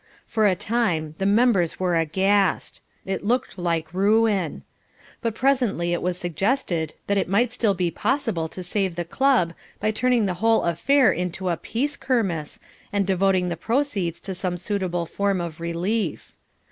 For a time the members were aghast. It looked like ruin. But presently it was suggested that it might still be possible to save the club by turning the whole affair into a Peace Kermesse and devoting the proceeds to some suitable form of relief.